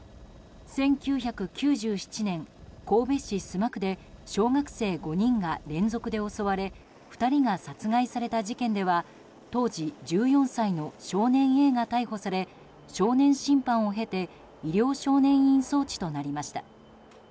１９９７年、神戸市須磨区で小学生５人が連続で襲われ２人が殺害された事件では当時１４歳の少年Ａが逮捕され少年審判を経て医療少年院送致となりました。